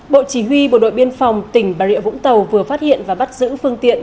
bộ chỉ huy bộ đội biên phòng tỉnh bà rịa vũng tàu vừa phát hiện và bắt giữ phương tiện